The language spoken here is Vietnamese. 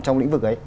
trong lĩnh vực ấy